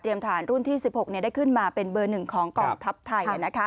เตรียมทหารรุ่นที่๑๖ได้ขึ้นมาเป็นเบอร์หนึ่งของกองทัพไทย